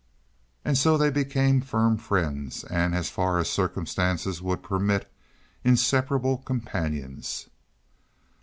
And so they became firm friends, and, as far as circumstances would permit, inseparable companions.